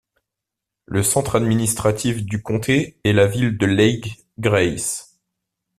Le centre administratif du comté est la ville de Lake Grace.